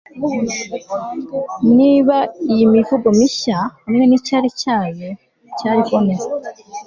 niba iyi mivugo mishya - hamwe n 'icyari cyayo cya hornets e